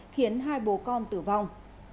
khiến hai bố con tử vong